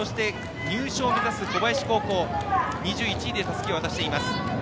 入賞を目指す小林高校２１でたすきを渡しています。